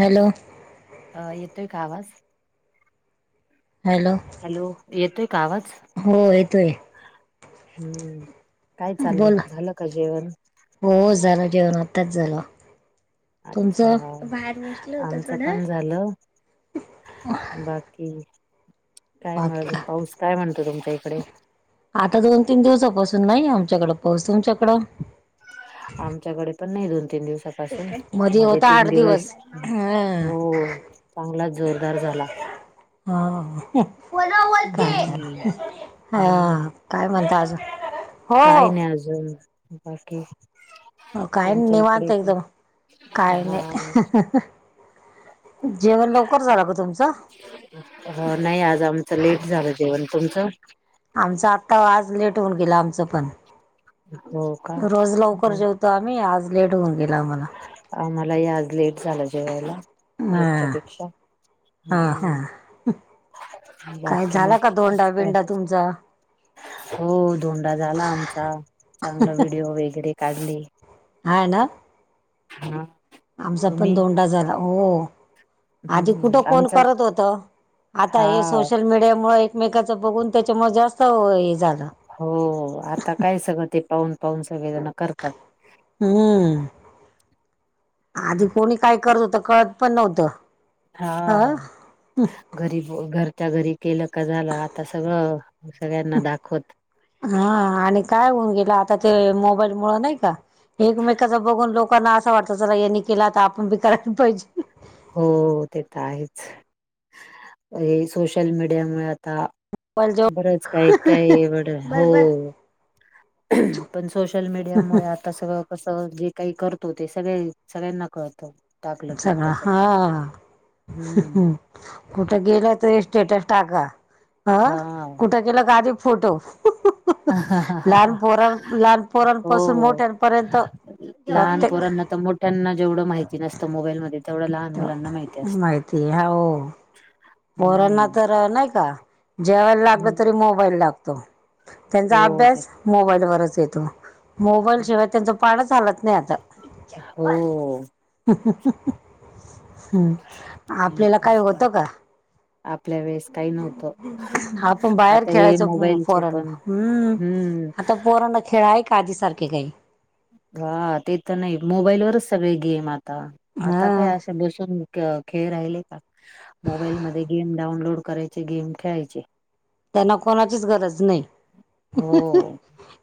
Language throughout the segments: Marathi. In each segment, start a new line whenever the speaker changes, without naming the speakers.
हॅलो.
अ येतोय का आवाज?
हॅलो.
हॅलो येतोय का आवाज,
हो येतोय
हम्म. काय चाललं,
बोला
झालं का जेवण?
हो झालं जेवण आताच झालं,
अच्छा
तुमचं बाहेर बसलं होत थोडं.
हॅलो. बाकी काय म
बाकी
अजून
का
पाऊस काय म्हणतो तुमच्या इकडे?
आता दोन तीन दिवसापासून नाही आमच्याकडं पाऊस तुमच्याकडं?
आमच्याकडे पण नाही दोन तीन दिवसात. पासून, मध्ये
होता आठ
तीन दिवस,
ह
हो, चांगलाच जोरदार झाला.
हा [unintelligible]
हम्म हम्म
हा. काय म्हणता आजुन.
काही नाही अजून. बाकी
काही नाही
तुमच्या
निवांत
इकडे काय?
एकदम. काही
हा
नाही जेवण लवकर झाल का तुमच?
हो नाही आज आमच लेट झाल जेवण. तुमच
आमच आत्ता आज लेट होऊन गेल आमच पण.
हो का
तो आम्ही आज लेट होऊन गेल आम्हाला.
आम्हालाही आज लेट झाल. जेवायला
हा
रोजच्यापेक्षा
हा हा
हम्म
काय
बाकी
झाला
मग
का धोंडा बिंडा तुमचा?
हो धोंडा झाला आमचा. चांगले व्हिडीओ वगैरे काढले.
हा ना
हा
आमचा पण
तुम्ही
धोंडा झाला‌ हो आधी कुठ
हम्म
कोण
आमचा
करत होत. आता
हा
हे सोशल मीडिया मुळे एकमेकांच बघून त्याच्यामुळे जास्त हे झाल.
हो आता काय सगळ ते पाहून पाहून सगळे जण करतात.
हम्म आदी कोणी काय करत होत कळत पण नव्हत.
हा घरी ब घरच्या घरी केल का झाल आता सगळ. सगळ्यांना दाखवत
हा आणि काय होऊन गेल आता ते मोबाईल मुळ नाही का एकमेकांच बघून लोकांना अस वाटत चला यांनी केल तर आपण बी करायला पाहिजे.
हो ते तर आहेच. हे सोशल मीडिया मुळे आता
पाहिजे
बरच काय काय एवड हो
बरोबर
पण सोशल मीडिया मुळे आता आता सगळ कस, जे काही करतो ते सगळ सगळ्यांना कळत.
सगळ हा
हम्म
कुठे गेल तरी स्टेटस टाका. ह
हा.
कुठ गेल की आदी फोटो लहान पोर लहान पोरांपासून
हो.
मोठ्यांपर्यंत
लहान
प्रत्येक
पोरांना तर मोठ्यांना जेवढ माहिती नसत मोबाईलमध्ये तेवढ लहान मुलांना माहिती असत.
पोराना तर नाही का जेवायला लागल तरी
हम्म
मोबाईल लागतो. त्यांचा
हो ते
अभ्यास मोबाईलवरच येतो. मोबाईलशिवाय त्यांच पानच हलत नाही आता.
हो
हम्म,
हम्म.
आपल्याला काही होत का?
आपल्या वेळेस काही नव्हत.
आपण बाहेर खेळायचो पोरांण. हम्म
हम्म
आता पोरांणा खेळ आहे का आधी सारख. के गई
हा ते तर नाही. मोबाईल वरच सगळे गेम आता. आता
हा
काय असे बसून खेळ राहिले का? मोबाईलमध्येध्ये गेम डाउनलोड करायचे. गेम खेळायचे.
त्यांना कोणाचीच गरज नाही.
हो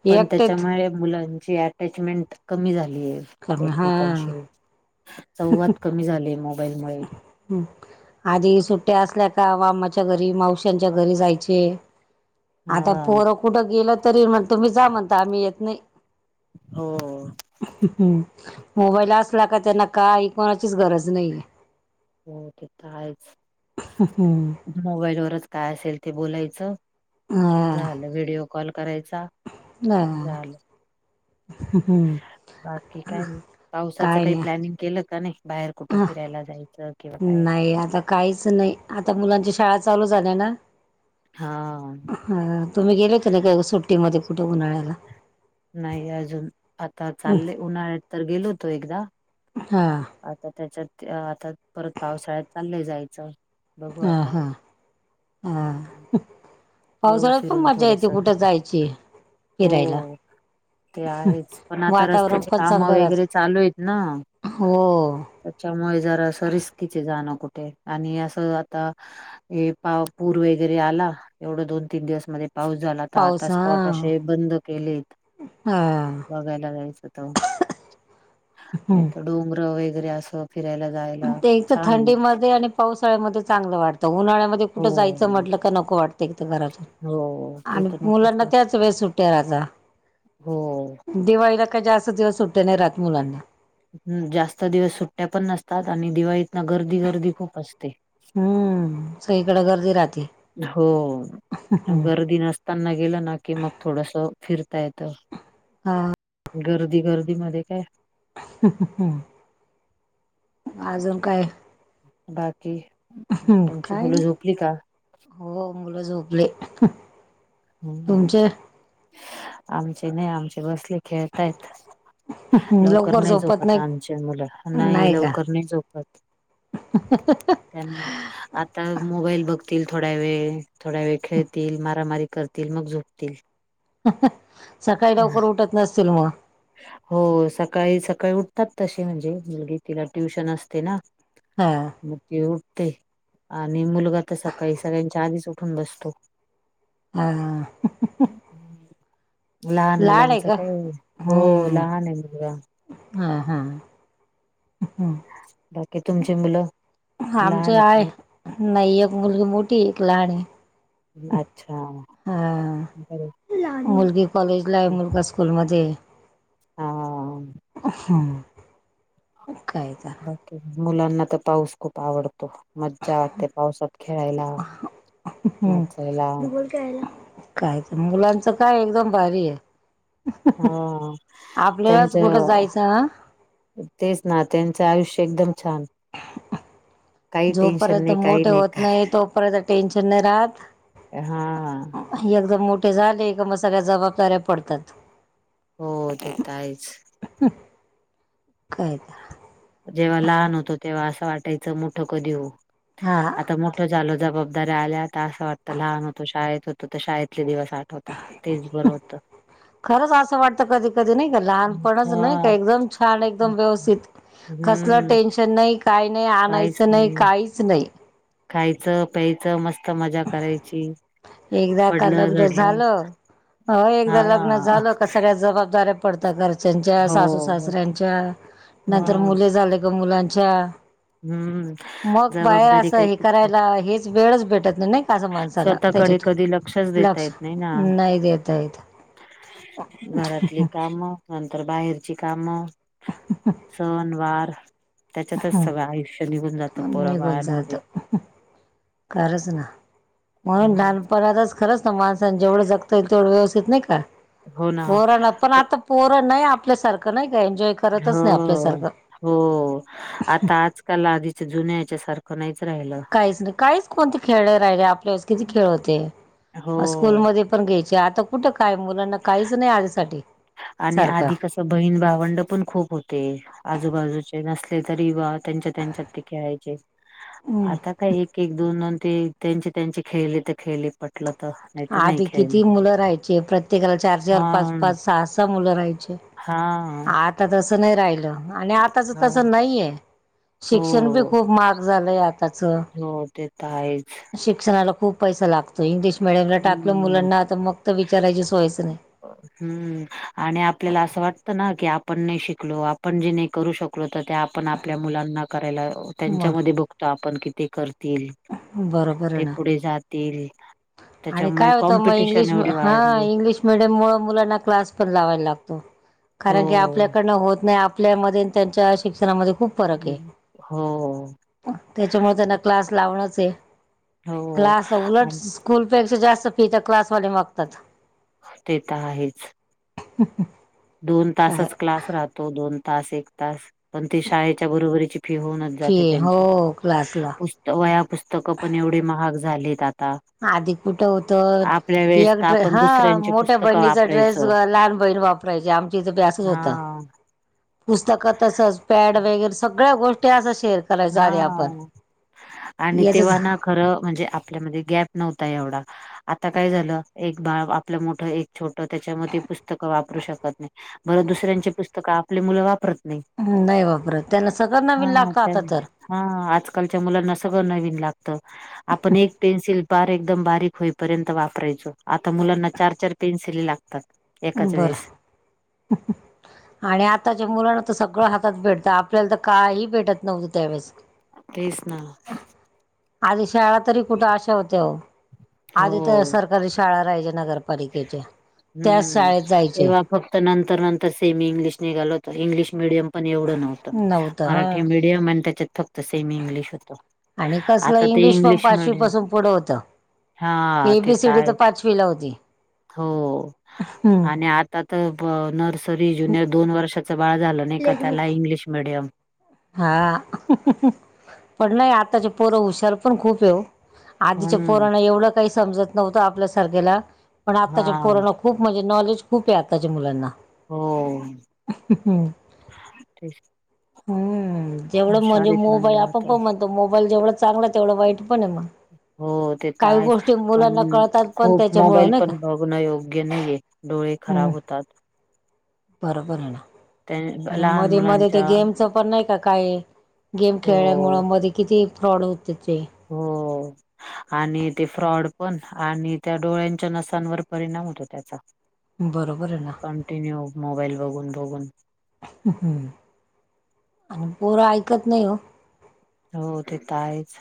पण
एकटेेच
त्याच्यामुळे मुलांची अटॅचमेंट कमी झालीय
करण हा
एकमेकांशी. संवाद कमी झाले. मोबाईलमुळे
हम् आधी सुट्ट्या असल्या का मामाच्या घरी मावश्यांच्या घरी जायचे. ते आता
हा
पोरं कुठं गेल तरी म्हणत तुम्ही जा म्हणता आम्ही येत नाही.
हो.
मोबाईल असला का त्यांना काही कोणाचीच गरज नाहीेय.
हो ते तर आहेच मोबाईलवरच काय असेल ते बोलायचं. झालं. व्हिडिओ कॉल करायचा.
नाहा
झालं बाकी काय नाही. पावसाच काही प्लॅनिंग केलं का नाही? बाहेर कुठं
ह
फिरायला जायचं किंवा काय
नाही आता काहीच नाही. आता मुलांची शाळाच चालू झालय ना?
हा.
ह तुम्ही गेले होते ना का सुट्टीमध्ये कुठ उन्हाळ्याला?
नाही अजून आता चालले उन्हाळ्यात तर गेलो होतो एकदा.
हा.
आता त्याच्यात आता परत पावसाळ्यात चाललंय जायचं. बघू
हा
आता.
हा हा
येऊ
पावसाळ्यात पण
फिरून
मज्जा
थोडस
येते कुठ जायची फिरायला.
हो ते आहेच पण आता
वातावरण
रस्त्याचे
पण
कामं
चांगलं राहत
वगैरे चालू आहेत ना?
हो
त्याच्यामुळे जरा असं रिस्कीच आहे जाणं कुठे आणि असं आता हे पाव पूर वगैरे आला एवढ दोन तीन दिवस मध्ये पाऊस झाला. आता आता
पाऊस हा
स्पॉट अशे बंद केलेत
हा
बघायला जायचं तर
हम्म.
डोंगरं वगैरे असं फिरायला जायला
ते एक तर
छान आहे.
थंडीमध्ये आणि पावसाळ्यामध्ये चांगलं वाटतं उन्हाळ्यामध्ये कुठं जायचं
हो
म्हटलं का नको वाटतं. [unintelligible] घरातून
हो ते
आणि
तर नकोच
मुलांना
वाट
त्याच वेळेत सुट्ट्या राहता.
हो.
दिवाळीला काय जास्त दिवस सुट्ट्या नाही राहत मुलांना.
हम जास्त दिवस सुट्ट्या पण नसतात आणि दिवाळीत ना गर्दी गर्दी खूप असते.
हम्म सगळीकड गर्दी राहते.
हो
हम्म.
गर्दी नसताना गेलं ना की मग थोडस फिरता येत.
हा.
गर्दी गर्दी मध्ये काय
अजून काय?
बाकी? तुमची
काय
मुलं
नाही.
झोपली का?
हो मुलं झोपली.
हम्म आमचे नाही. आमचे बसले. खेळतायत. लवकर नाही झोपत आमचे मुलं नाही लवकर नाही झोपत.
[unintelligible]
त्यांना आता मोबाईल बघतील थोड्या वेळ. थोड्या वेळ खेळतील. मारामारी कर तील. मग झोपतील.
सकाळी लवकर उठत नसतील मग?
हो सकाळी सकाळी उठतात तशी म्हणजे मुलगी तिला ट्युशन असते ना?
हा.
मग ती उठते. आणि मुलगा तर सकाळी सगळ्यांच्या आधीच उठून बसतो.
हा.
[unintelligible] लहान
लाड आहे
मुलांच
का
काय हो लहान आहे मुलगा.
हम [unintelligible] हं.
बाकी तुमची मुलं, लहान आहे की नाही?
नाही, एक मुलगी मोठी आहे, एक लहान आहे.
अच्छा
हा.
बर
मुलगी कॉलेज ला आहे, मुलगा स्कूल मध्ये.
अ.
[inaudible]
बाकी? मुलांना तर पाऊस खूप आवडतो. मज्जा वाटते पावसात खेळायला,
हम्म
नाचायला-
काय तर मुलांचं काय एकदम भारी आहे.
हा
आपल्यालाच
त्यांच
कुठं जायचं आ.
तेच ना त्यांचं आयुष्य एकदम छान- काही टेन्शन
जोपर्यंत
नाही काही
मोठे होत नाही, तोपर्यंत टेन्शन नाही राहत.
हा.
एकदम मोठे झाले का, मग सगळ्या जबाबदाऱ्या पडतात.
हो, तेे तर आहेच.
काय [unintelligible]
जेव्हा लहान होतो तेव्हा असं वाटायचं, मोठ कधी होऊ
हा
आता मोठ- मोठ झालो, जबाबदारी आल्यात, असं वाटतं लहान होतो शाळेत होतो, तर शाळेतले दिवस आठवतात.
खरच असं वाटत कधी, कधी नाही का लहानपणच नाही का
हा
एकदमच- छान एकदम व्यवस्थित, कसलं
हम्म
टेन्शन नाही, काही नाही, आणायचं नाही काहीच नाही.
खायचं, प्यायचं मस्त- स्त मजा करायची,
एकदा का
पडलं,
लग्न
झडलं-
झालं हो, एकदा
हा
लग्न झालं का सगळ्या जबाबदाऱ्या- पडतात. घरच्यांच्या,
हो
सासू सासऱ्यांच्या, नंतर
मग
मुले झाले का मुलांच्या.
हम्म
मग बाहेर
जबाबदारी
असं
काही
हे
पिछा
करायला हेच वेळच भेटत नाही, नाही. अस माणसाला
स्वतःकडे
त्याच्यात
कधी लक्षच देता
लक्ष
येत नाही ना
नाही देता येत.
घरातली कामं- नंतर बाहेरची कामं, सण वार- त्याच्यातच सगळं आयुष्य निघून जातं, पोरा बाळांमध्ये.
खरच ना, म्हणून लानपणातच- खरंच ना, माणसान जेवढं जगता येईल तेवढं व्यवस्थित नाही का
हो ना.
पोराला- पण आता पोरं नाही, आपल्यासारखं नाही का एन्जॉय- करतच
हो.
नाही आपल्यासारखं.
त्याला आधीच जुन्या ह्यच्या सारखं नाहीच [unintelligible]
काहीच नाही, काहीच कोणते खेळ राहिले आपल्यास किती खेळ होते.
हो
स्कूलमध्ये- पण घ्यायची. आता कुठं काय मुलांना काहीच नाही आधीसाठी.
आणि आधी कसं बहीण-भावंड पण खूप होते, आजूबाजूचे नसले तरी वात- त्यांच्या त्यांच्यात ते खेळायचे, आता काय एक एक, दोन दोन ते- त्यांची त्यांची खेळली तर खेळली पटल.
आधी किती मुलं राहायचे, प्रत्येकाला चार चार,
हा
पाच पाच, सहा सहा मुलं राहायचे.
हा.
आता तसं नाही राहिलं आणि आताच
हा
तसं नाहीय, शिक्षण बी
हो
खूप माहाग झालाय आताच,
हो ते तर आहेच.
शिक्षणाला खूप पैसा लाग तो इंग्लिश मीडियमला टाकलं
हम्म.
मुलांना त मग तर विचाराची सोयचं नाही.
हम्म आणि आपल्याला असं वाटतं न की आपण नाही शिकलो आपण जे नाही करू शकलो तर त्या आपण आपल्या मुलांना करायला
बर
त्यांच्यामध्ये बघतो आपण की ते करतील.
बरोबर आहे
ते
ना
पुढे जातील.
आणि
त्याच्यामुळे
काय होतं म
कॉम्पिटिशन
इंग्लिश
एवढी
हा
वाढली
इंग्लिश मिडियम मुळ मुलांना क्लास पण लावायला लागतो.
हो
कारण की आपल्याकडनं होत नाही आपल्यामध्ये त्यांच्या शिक्षणामध्ये खूप फरक आहे
हम्म, हो.
[unintelligible] त्याच्यामुळे त्यांना क्लास लावणच आहे,
हो
क्लास उलट,
आणि
स्कूलपेक्षा जास्त फी त क्लासवाले मागतात.
ते तर आहेच.
[inaudible]
दोन
काय
तासच क्लास राहतो दोन तास एक तास. पण ती शाळेच्या बरोबरीची फी होऊनच
फी
जाते
हो
त्यांची,
क्लासला
पुस् वया पुस्तकं पण एवढे महाग झालेत आता.
आधी कुठ होतत?
आपल्या वेळेस
एक
तर
ड्रे
आपण
हा
दुसऱ्यांची
मोठ्या
पुस्तकं
बहिणीचा ड्रेस
वापरायचो
लहान बहिण वाप रायची आमची इथं बी असच
हा
होत, पुस्तकं तसच पॅड वगैरे सगळ्या गोष्टी त्या अस शेअर करायचो आधी आपण,
हा आणि
याच
तेव्हा
झा
ना खरं म्हणजे आपल्यामध्ये गॅप नव्हता एवढा. आता काय झालं एक बाळ आपलं मोठं एक छोटं त्याच्यामध्ये पुस्तकं वापरू शकत नाही. बरं दुसऱ्यांची पुस्तकं आपली मुलं वापरत. नाही
हम्म नाही वापरत त्यांना सगळ नवीन
हा
लागत
त्या
आता तर.
हा आजकालच्या मुलांना सगळं नवीन लागतं. आपण एक पेन्सिल पार एकदम बारीक होईपर्यंत वापरायचो आता मुलांना चार चार पेन्सिल लाग
बरं. आणि आताच्या मुलांना तर सगळं हातात भेटतं आपल्याला तर काही भेटत नव्हतं त्यावेळेस.
तेच ना.
आधी शाळा तरी कुठ अशा होत ओ, आधी तर
हो
सरका कारी शाळा राहायचं नगरपालिकेच्या. त्याच
हम्म,
शाळेत जायचे
तेव्हा फक्त नंतर नंतर सेमी इंग्लिश निघाल होत इंग्लिश मिडियम पण एवढं नव्हतं, मराठी मि डियम आणि त्याच्यात फक्त सेमी इंग्लिश होतं.
आणि कसलं
आता ते
इंग्लिश पण पाचवी
मिडियम
पासून पुढं होतं.
हा
ए
ते
बी सी डी तर
आहेच
पाचवी ला होती.
हो,
हम्म
आणि आता तर ब नर्सरी ज्युनियर दोन वर्षाच बाळ झालं नय का त्याला इंग्लिश मिडियम.
हा, पण नाही आताचे पोर हुशार पण खूप ये ओ. आधीच्या
हम्म
पोरांना एवढं काही समजत नव्हतं आपल्यासारख्याला, पण आताच्या
हा
पोरना खूप म्हणजे नॉलेज खूप ये आताच्या मुलांना.
हो, तेच
हम्म जेवढं
हुशार
म्हणजे
आहेत
मोबाईल
मुलं
आपण
आता
पण म्हणतो मोबाईल जेवढं चांगला तेवढं वाईट पण आहे म.
हो ते तर आहेच पण
कळतात पण
खूप
त्याच्यामुळं
मोबाईल
नाही का
पण बघणं योग्य नाहीये. डोळे
हम्म
खराब होतात.
बरोबर आहे ना.
त्या
आणि
लहान
मध्ये मध्ये ते
मुलांच्या
गेमच पण नाही का काय, गेम खेळल्यामुळ
हो
मध्ये किती फ्रॉड होत होते.
हो आणि ते फ्रॉड पण, आणि त्या डोळ्यांच्या नसांवर परिणाम होतो त्याचा.
बरोबर आहे ना.
कंटिन्यू मोबाईल बघून बघून.
हम्म आणि पोरं ऐकत नाही हो.
हो ते तर आहेच.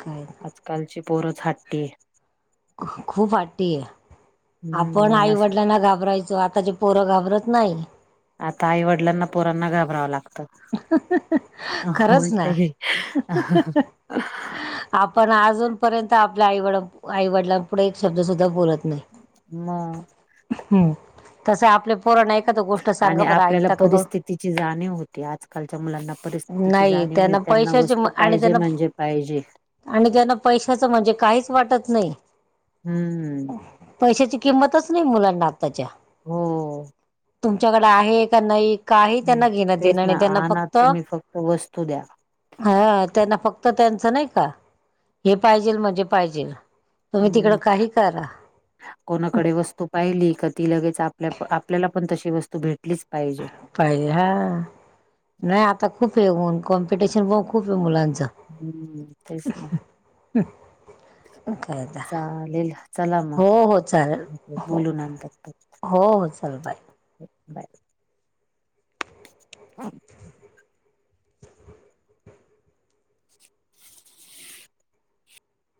काय
आजकालची पोरच हाट्टी आहे.
खूप हट्टी आहे.
हम्म
आपण
मनास
आईवडिलांना घाबरायचो. आताचे पोरं घाबरत नाही.
आता आई वडिलांना पोरांना घाबराव लागत.
खरंच
उलट
ना
आहे.
आपण अजूनपर्यंत आपल्या आईवड आईवडलां पुढे एक शब्द सुद्धा बोलत नाही.
मग
हम्म तस आपल्या पोरांना एकदा गोष्ट सांगा बर ऐकता का बघु.
तिची जाणीव होती. आज कालच्या मुलांना परिस्थितीची
नाही
जाणीव नाही. त्यांना
पैशाचे
वस्तू
आणि
पाहिजे
त्यांना
म्हणजे पाहिजे.
आणि त्यांना पैशाच म्हणजे काहीच वाटत नाही.
हम्म
पैशाची किंमतच नाही मुलांना आत्ताच्या.
हो.
तुमच्याकडे आहे का नाही. काही त्यांना घेण देण
तेच ना अना तुम्ही फक्त वस्तू द्या.
हा त्यांना फक्त त्यांच नाही का हे पाहिजेल म्हणजे पाहिजेल. तुम्ही तिकड
हम्म
काही करा
कोणाकडे वस्तू पाहिली का ती लगेच आपल्या आपल्याला पण तशी वस्तू भेटलीच पाहिजे.
पाहिजे हा. नाही आता खूप हे होऊन कॉम्पिटिशन पण खूप आहे मुलांच.
हम्म तेच ना.
काय आता
चालेल चला
हो हो चालेल
मग
हो
बोलू नंतर.
हो हो चला बाय.
बाय. [unintelligible]